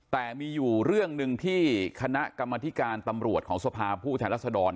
แต่มีอยู่เรื่องหนึ่งที่คณะกรรมธิการตำรวจของสภาพผู้แทนรัศดร